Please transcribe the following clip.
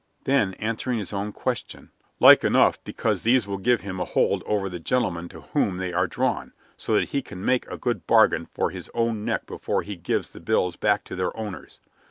Then, answering his own question: "Like enough because these will give him a hold over the gentlemen to whom they are drawn so that he can make a good bargain for his own neck before he gives the bills back to their owners.